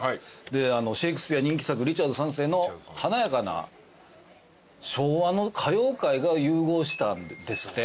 シェイクスピア人気作『リチャード三世』の華やかな昭和の歌謡界が融合したんですって。